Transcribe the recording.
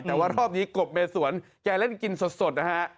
แต่ว่ารอบนี้กบเมสวนแกเล่นกินสดนะฮะ